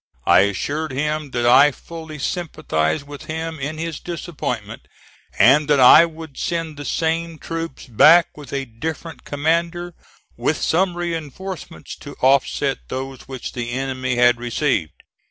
I assured him that I fully sympathized with him in his disappointment, and that I would send the same troops back with a different commander, with some reinforcements to offset those which the enemy had received.